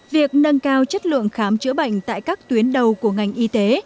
việc nâng cao chất lượng khám chữa bệnh tại các tuyến đầu của ngành y tế